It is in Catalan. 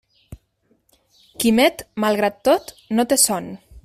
Quimet, malgrat tot, no té son.